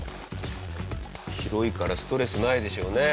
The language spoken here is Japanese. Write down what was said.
広いからストレスないでしょうね。